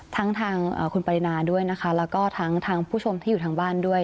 ทั้งทางคุณปรินาด้วยนะคะแล้วก็ทั้งทางผู้ชมที่อยู่ทางบ้านด้วย